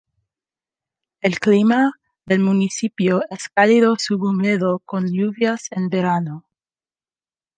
El clima del municipio es cálido subhúmedo con lluvias en verano.